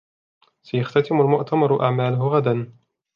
سيختتم المؤتمر أعماله غداً.